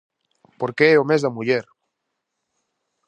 Porque é o mes da muller!